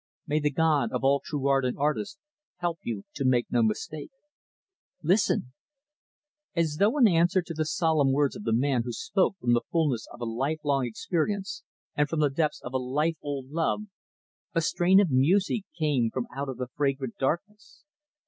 May the God of all true art and artists help you to make no mistake. Listen!" As though in answer to the solemn words of the man who spoke from the fullness of a life long experience and from the depths of a life old love, a strain of music came from out the fragrant darkness.